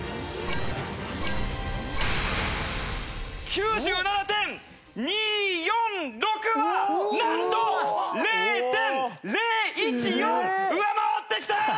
９７．２４６はなんと０．０１４上回ってきた！